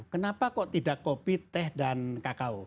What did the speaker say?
kenapa kok tidak kopi teh dan kakao